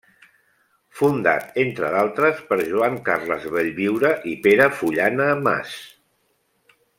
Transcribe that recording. Fundat, entre d'altres, per Joan Carles Bellviure, i Pere Fullana Mas.